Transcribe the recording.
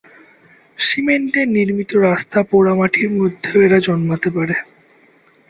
সিমেন্টের নির্মিত রাস্তা, পোড়ামাটির মধ্যেও এরা জন্মাতে পারে।